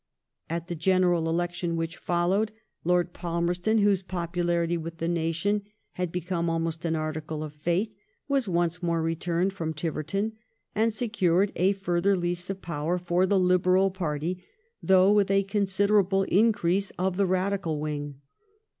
At the General Election which followed^ liOrd Palmerston, whose popularity with the nation had become almost an article of faith, was once more re turned for Tiverton, and secured a further lease of power for the Liberal party, though with a considerable increase of the Radical wing.